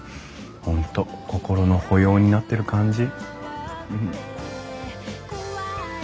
本当心の保養になってる感じ。